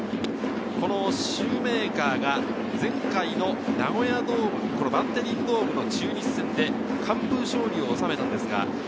シューメーカーが前回のナゴヤドーム、バンテリンドームの中日戦で完封勝利を収めました。